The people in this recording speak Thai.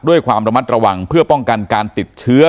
ด้วยความระมัดระวังเพื่อป้องกันการติดเชื้อ